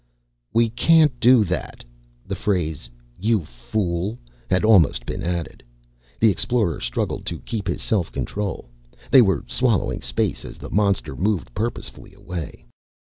"We can't do that." The phrase "you fool" had almost been added. The Explorer struggled to keep his self control. They were swallowing space as the monster moved purposefully away.